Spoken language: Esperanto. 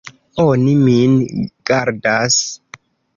Oni min gardas.